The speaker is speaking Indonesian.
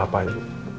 gak apa apa ibu